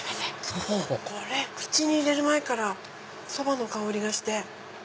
そう口に入れる前からそばの香りがして。